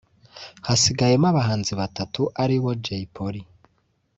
hasigayemo abahanzi batatu aribo Jay Polly